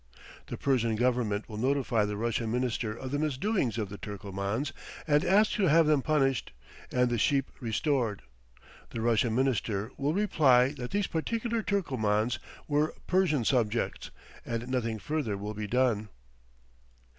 The Persian Government will notify the Russian Minister of the misdoings of the Turcomans, and ask to have them punished and the sheep restored; the Russian Minister will reply that these particular Turcomans were Persian subjects, and nothing further will be done.